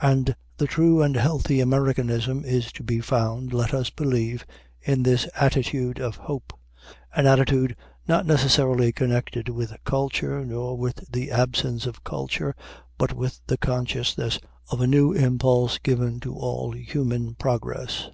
And the true and healthy Americanism is to be found, let us believe, in this attitude of hope; an attitude not necessarily connected with culture nor with the absence of culture, but with the consciousness of a new impulse given to all human progress.